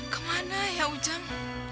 kemana ya ujang